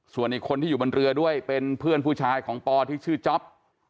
ส่วนอีกคนที่อยู่บนเรือด้วยเป็นเพื่อนผู้ชายของปอที่ชื่อจ๊อป